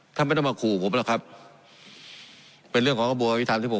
ถ้าไม่ต้องมาขู่ผมล่ะครับเป็นเรื่องของกระบวนวิทยาลัยที่ผม